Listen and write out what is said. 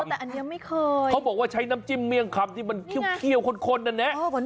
แต่อันนี้ไม่เคยเขาบอกว่าใช้น้ำจิ้มเมี่ยงคำที่มันเคี่ยวข้นแน่